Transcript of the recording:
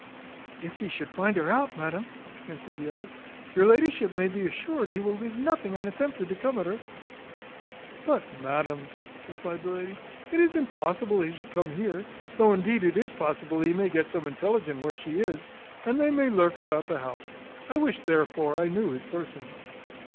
"If he should find her out, madam," answered the other, "your ladyship may be assured he will leave nothing unattempted to come at her." "But, madam," replied the lady, "it is impossible he should come here though indeed it is possible he may get some intelligence where she is, and then may lurk about the house I wish therefore I knew his person.